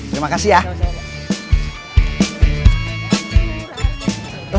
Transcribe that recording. terima kasih ya